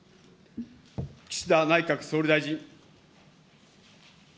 岸田内閣総理大臣。